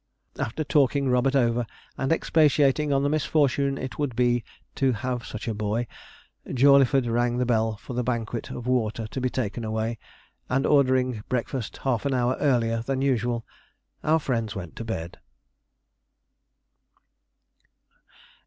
After talking Robert over, and expatiating on the misfortune it would be to have such a boy, Jawleyford rang the bell for the banquet of water to be taken away; and ordering breakfast half an hour earlier than usual, our friends went to bed.